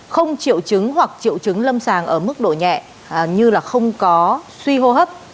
không triệu chứng hoặc triệu chứng lâm sàng ở mức độ nhẹ như là không có suy hô hấp